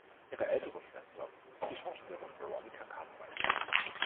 Ihre ältere Schwester ist die Schauspielerin Veronica Cartwright.